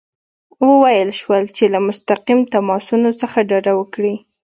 وویل شول چې له مستقیم تماسونو څخه ډډه وکړي.